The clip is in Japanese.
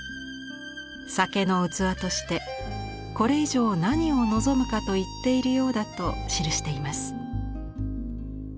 「酒の器としてこれ以上何を望むかと言っているようだ」と記しています。